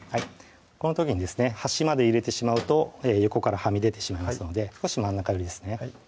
この時にですね端まで入れてしまうと横からはみ出てしまいますので少し真ん中寄りですね